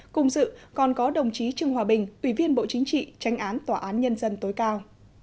cùng dự còn có đồng chí trương hòa bình ủy viên bộ chính trị tranh án tòa án nhân dân tối cao